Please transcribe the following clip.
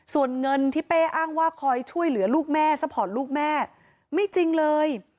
ส่วนเงินที่เป้อ้างว่าคอยช่วยเหลือลูกแม่ซัพพอร์ตลูกแม่ไม่จริงเลย